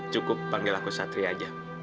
cukup panggil aku satria aja